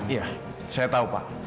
iya saya tahu pak